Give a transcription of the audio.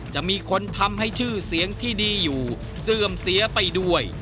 จะมีคนทำให้ชื่อเสียงที่ดีอยู่เสื่อมเสียไปด้วย